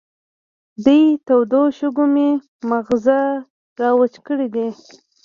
دې تودو شګو مې ماغزه را وچ کړې دي.